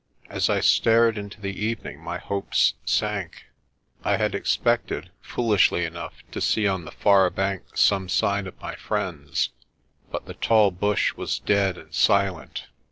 As I stared into the evening my hopes sank. I had expected, foolishly enough, to see on the far bank some sign of my friends, but the tall bush was dead and silent.